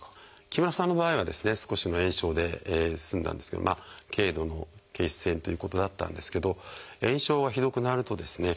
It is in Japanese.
木村さんの場合はですね少しの炎症で済んだんですけど軽度の憩室炎ということだったんですけど炎症がひどくなるとですね